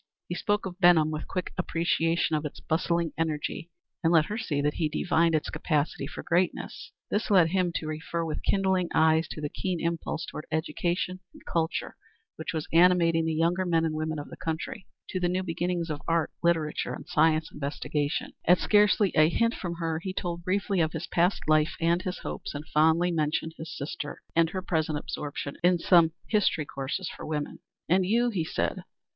He spoke of Benham with quick appreciation of its bustling energy, and let her see that he divined its capacity for greatness. This led him to refer with kindling eyes to the keen impulse toward education and culture which was animating the younger men and women of the country; to the new beginnings of art, literature, and scientific investigation. At scarcely a hint from her he told briefly of his past life and his hopes, and fondly mentioned his sister and her present absorption in some history courses for women. "And you?" he said.